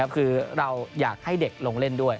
คือเราอยากให้เด็กลงเล่นด้วย